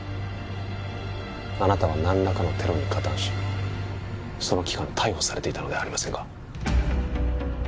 あなたは何らかのテロに加担しその期間逮捕されていたのではありませんか？